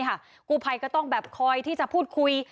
โอ้โหเนี่ยค่ะกูไพยก็ต้องแบบคอยที่จะพูดคุย